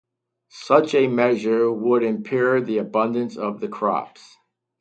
Such a measure would impair the abundance of the crops.